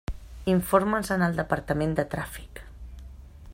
Informes en el departament de tràfic.